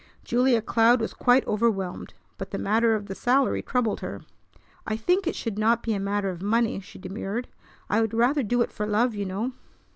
Julia Cloud was quite overwhelmed. But the matter of the salary troubled her. "I think it should not be a matter of money," she demurred. "I would rather do it for love, you know."